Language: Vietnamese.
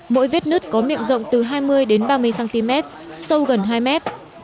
mỗi vết nứt có miệng rộng từ hai mươi đến ba mươi cm sâu gần hai mét